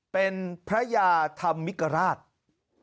เป็นพระยาธรรมิกราช